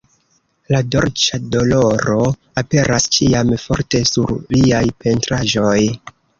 La "dolĉa doloro" aperas ĉiam forte sur liaj pentraĵoj.